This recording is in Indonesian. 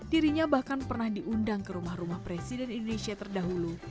dirinya bahkan pernah diundang ke rumah rumah presiden indonesia terdahulu